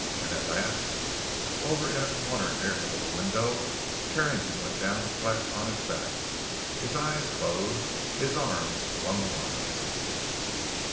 And, at last, over in a corner near the little window, Carrington went down flat on his back, his eyes closed, his arms flung wide.